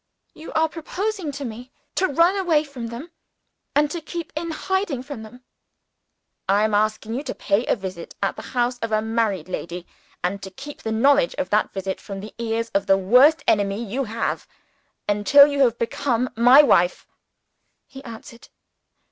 "You are proposing to me to run away from them, and to keep in hiding from them!" "I am asking you to pay a fortnight's visit at the house of a married lady and to keep the knowledge of that visit from the ears of the worst enemy you have, until you have become my wife," he answered.